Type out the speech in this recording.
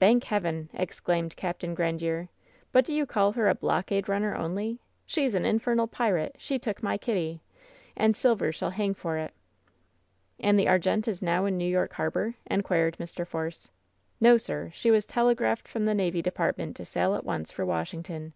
"Thank Heaven I" exclaimed Capt. Grandiere. "But do you call her a blockade runner only? She's an in femal pirate! She took my Kitty I And Silver shall hang for it !" "And the Argente is now in New York harbor ?" in quired Mr. Force, 62 WHEN SHADOWS DIE "No, sir. She was telegraphed from the navy depart ment to sail at once for Washington.